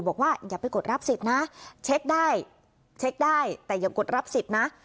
อย่าไปกดรับสิทธิ์นะเช็คได้เช็คได้แต่อย่ากดรับสิทธิ์นะ